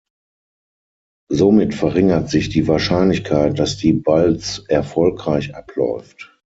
Somit verringert sich die Wahrscheinlichkeit, dass die Balz erfolgreich abläuft.